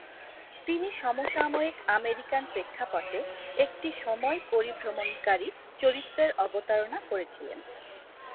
তিনি সমসাময়িক আমেরিকান প্রেক্ষাপটে একটি সময় পরিভ্রমণকারী চরিত্রের অবতারণা করেছিলেন।